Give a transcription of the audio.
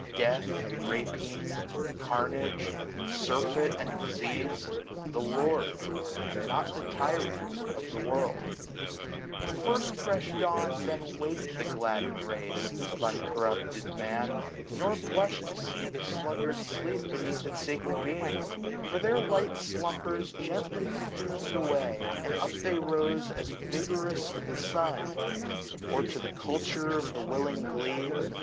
Death, rapine, carnage, surfeit, and disease ; The lord, and not the tyrant, of the world, 24a The first fresh dawn then wak'd the gladden'd race Of uncorrupted Man, nor blush'd to see The sluggard sleep beneath its sacred beam ; For their light slumbers gently fum'd away j And up they rpse as vigorous as the sun, 245 SPRING. If Or to the culture of the willing glebe.